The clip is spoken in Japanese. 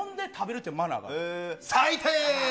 最低。